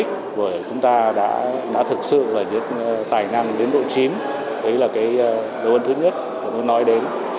của chúng ta đã thực sự tài năng đến độ chín đấy là điều thứ nhất tôi muốn nói đến